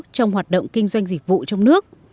trong hoạt động kinh doanh dịch vụ trong nước